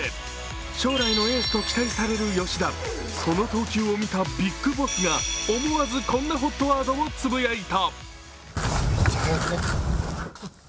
将来のエースと期待される吉田、その投球を見た、ビッグボスが思わずこんなＨＯＴワードをつぶやいた。